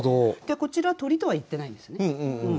こちら鳥とは言ってないんですよね。